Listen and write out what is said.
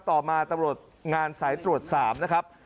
ต่อมาตำรวจงานสายตรวจ๓นะครับ